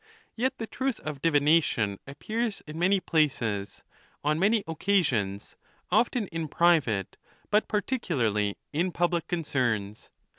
Yet the truth of divination appears in many places, on many occasions, often in private,' but particularly in public con cerns.